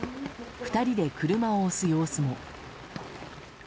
２人で車を押す様子も。